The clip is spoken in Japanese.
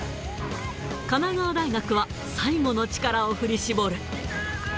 神奈川大学は最後の力を振り絞る。